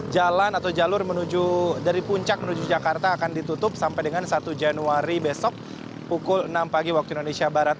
jalan atau jalur dari puncak menuju jakarta akan ditutup sampai dengan satu januari besok pukul enam pagi waktu indonesia barat